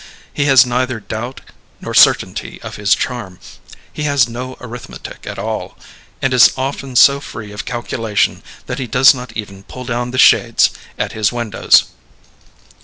He has neither doubt nor certainty of his charm; he has no arithmetic at all, and is often so free of calculation that he does not even pull down the shades at his windows.